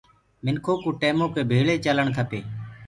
منکو ڪو ٽيمو ڪي ڀيݪي چلوو کپي